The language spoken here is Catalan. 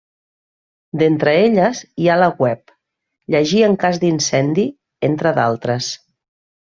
D'entre elles, hi ha la web, Llegir en cas d’incendi, entre d'altres.